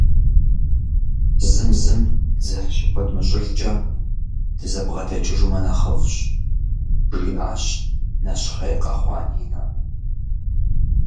«Зым зым дзыхь щыхуэдмыщӏыжкӏэ, дызэбгъэдэкӏыжымэ нэхъыфӏщ», жиӏащ нэщхъей къэхъуа Нинэ.